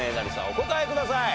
お答えください。